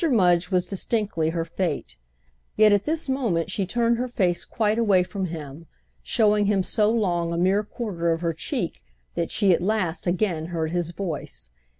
Mudge was distinctly her fate; yet at this moment she turned her face quite away from him, showing him so long a mere quarter of her cheek that she at last again heard his voice.